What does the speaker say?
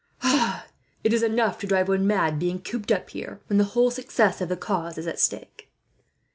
"It is enough to drive one mad, being cooped up here when the whole success of the cause is at stake."